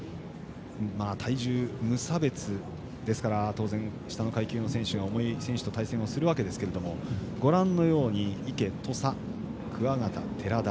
体重無差別ですから当然、下の階級の選手が重い階級の選手と対戦しますがご覧のように池、土佐、桑形、寺田。